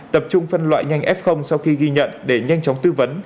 tập trung phân loại nhanh f sau khi ghi nhận để nhanh chóng tư vấn